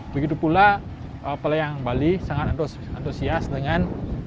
begitu pula pelayang bali sangat antusias dengan